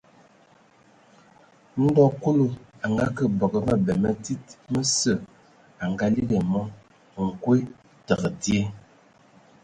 Ndɔ Kulu a ngake bǝgǝ mǝbɛ mǝ tsíd mǝsǝ a ngaligi ai mɔ : nkwe tǝgǝ dzye.